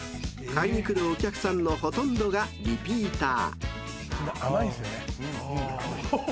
［買いに来るお客さんのほとんどがリピーター］